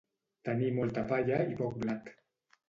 Tenir molta palla i poc blat.